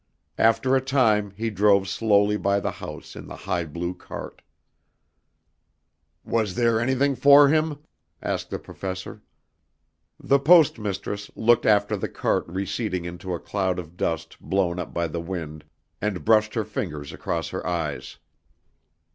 After a time he drove slowly by the house in the high blue cart. "Was there anything for him?" asked the Professor. The Post Mistress looked after the cart receding into a cloud of dust blown up by the wind and brushed her fingers across her eyes.